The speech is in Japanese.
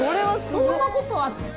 そんなことあったの？